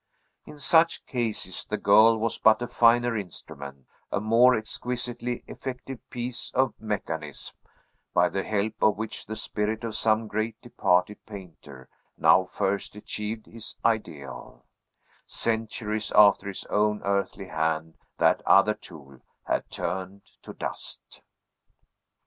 In such cases the girl was but a finer instrument, a more exquisitely effective piece of mechanism, by the help of which the spirit of some great departed painter now first achieved his ideal, centuries after his own earthly hand, that other tool, had turned to dust.